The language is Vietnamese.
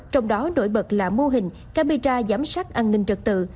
trong đó nổi bật là mô hình camera giám sát an ninh trật tự